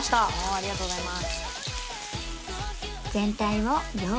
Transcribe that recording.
ありがとうございます。